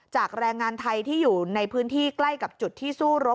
แรงงานไทยที่อยู่ในพื้นที่ใกล้กับจุดที่สู้รบ